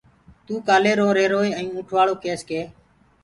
توٚ ڪآلي روهيروئي ائيٚنٚ اُنٚٺ وآݪو ڪيس ڪي